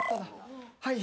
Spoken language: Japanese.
はい。